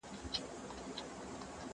زه له سهاره کالي وچوم